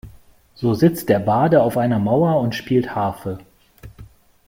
So sitzt der Barde auf einer Mauer und spielt Harfe.